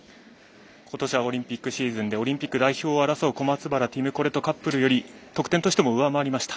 ことしはオリンピックシーズンでオリンピック代表を争う小松原ティム・コレトカップルより得点としては上回りました。